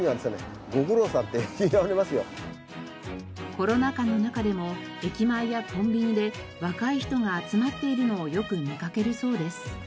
コロナ禍の中でも駅前やコンビニで若い人が集まっているのをよく見かけるそうです。